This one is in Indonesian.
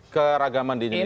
keragaman di indonesia